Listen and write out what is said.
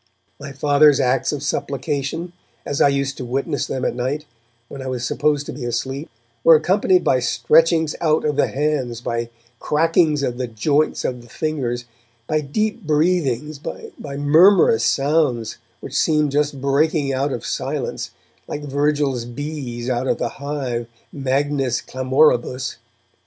My Father's acts of supplication, as I used to witness them at night, when I was supposed to be asleep, were accompanied by stretchings out of the hands, by crackings of the joints of the fingers, by deep breathings, by murmurous sounds which seemed just breaking out of silence, like Virgil's bees out of the hive, 'magnis clamoribus'.